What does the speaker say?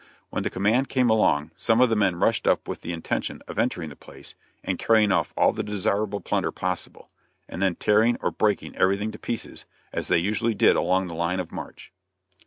When the command came along some of the men rushed up with the intention of entering the place and carrying off all the desirable plunder possible, and then tearing and breaking everything to pieces, as they usually did along the line of march.